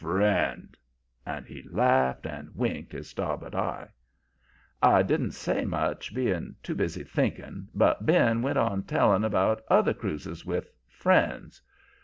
Friend!' And he laughed and winked his starboard eye. "I didn't say much, being too busy thinking, but Ben went on telling about other cruises with 'friends.'